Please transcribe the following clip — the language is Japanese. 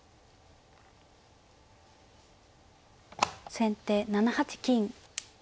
先手７八金。